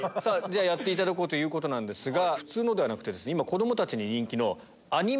やっていただこうということなんですが普通のではなくて。